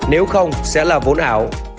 nếu không sẽ là vốn ảo